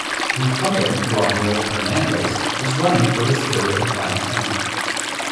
Incumbent Ramil Hernandez is running for his third and final term.